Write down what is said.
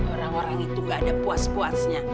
orang orang itu gak ada puas puasnya